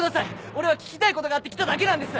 俺は聞きたいことがあって来ただけなんです！